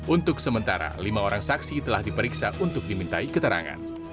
untuk sementara lima orang saksi telah diperiksa untuk dimintai keterangan